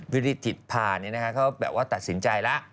วิธีผ่านเขาแบบว่าตัดสินใจละ